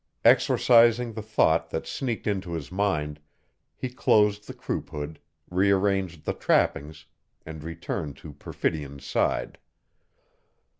Exorcising the thought that sneaked into his mind, he closed the croup hood, rearranged the trappings, and returned to Perfidion's side.